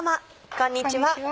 こんにちは。